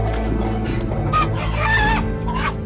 kau yang selalu memusahi ayahku